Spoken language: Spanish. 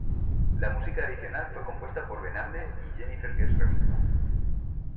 La música adicional fue compuesta por Venable y Jennifer Kes Remington.